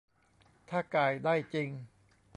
ถ้าก่ายได้จริง